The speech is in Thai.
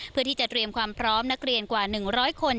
เพื่อที่จะเตรียมความพร้อมนักเรียนกว่า๑๐๐คน